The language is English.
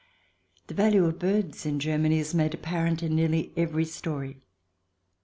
The value of birds in Germany is made apparent in nearly every story.